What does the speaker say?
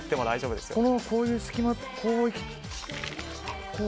大丈夫です。